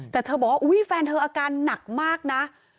แต่เธอบอกว่าอุ๊ยแฟนเธออาการหนักมากนะ